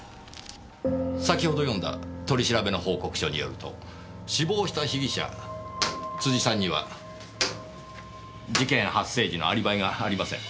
先ほど読んだ取り調べの報告書によると死亡した被疑者辻さんには事件発生時のアリバイがありません。